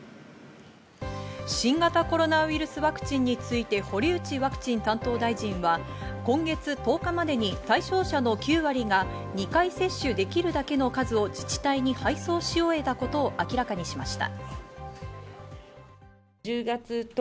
新型コロナウイルスワクチンについて堀内ワクチン担当大臣は今月１０日までに対象者の９割が２回接種できるだけの数を自治体に配送し終えたことを明らかにしました。